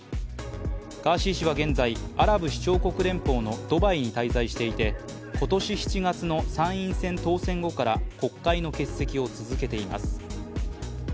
ガーシー氏は現在、アラブ首長国連邦のドバイに滞在していて今年７月の参院選当選後から国会の欠席を続けています。